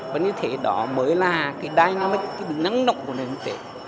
vậy như thế đó mới là cái dynamic cái năng động của nền công ty